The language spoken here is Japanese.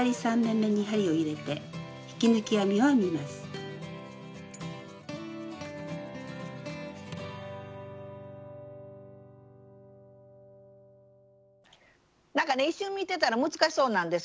段の終わりはなんかね一瞬見てたら難しそうなんですけどね